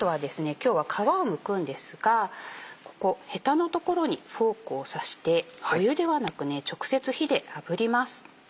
今日は皮をむくんですがここヘタの所にフォークを刺してお湯ではなく直接火であぶります。